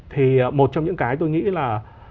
thì một trong những cái tôi nghĩ là